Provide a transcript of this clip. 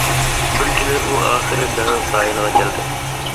بىر كۈنى، ئۇ ئاخىرى دېڭىز ساھىلىغا كەلدى.